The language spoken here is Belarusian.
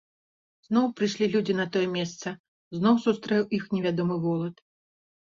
Зноў прыйшлі людзі на тое месца, зноў сустрэў іх невядомы волат.